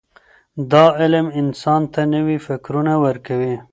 دا علم انسان ته نوي فکرونه ورکوي.